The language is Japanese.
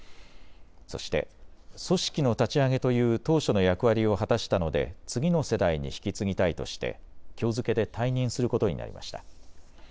そして、組織の立ち上げという当初の役割を果たしたので次の世代に引き継ぎたいとしてきょう付けで退任することになりました。